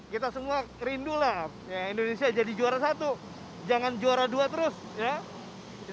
kita semua rindu lah indonesia jadi juara satu jangan juara dua terus ya